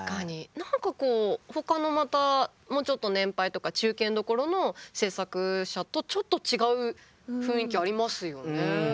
何かこうほかのまたもうちょっと年配とか中堅どころの制作者とちょっと違う雰囲気ありますよね。